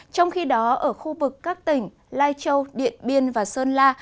trong khi đó ở khu vực các tỉnh lai châu điện biên và sơn la